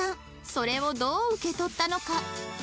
それをどう受け取ったのか？